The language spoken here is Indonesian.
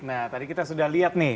nah tadi kita sudah lihat nih